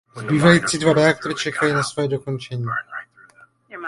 Zbývající dva reaktory čekají na svoje dokončení.